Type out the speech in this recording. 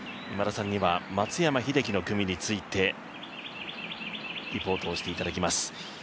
今田さんには松山英樹の組についてリポートをしていただきます。